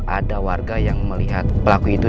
ada warga yang melihat pelaku itu